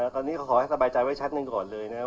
ตอนนี้ขอให้สบายใจไว้ชัดหนึ่งก่อนเลยนะครับ